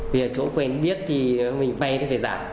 vì chỗ quen biết thì mình vay thì phải dạ